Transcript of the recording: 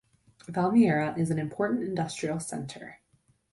Valmiera is an important industrial centre.